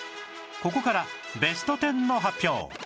ここからベスト１０の発表